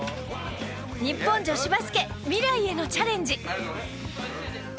日本女子バスケ未来へのチャレンジ！